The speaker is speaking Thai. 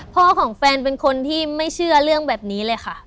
พ่อของแฟนเป็นคนที่ไม่เชื่อเรื่องแบบนี้เลยค่ะ